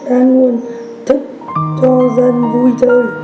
an nguồn thức cho dân vui chơi